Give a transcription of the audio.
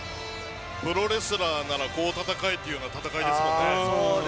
プロレスラーならこう戦えっていう戦いですよね。